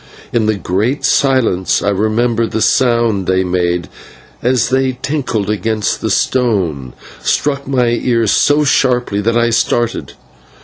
In the great silence I remember the sound they made, as they tinkled against the stone, struck my ear so sharply that I started.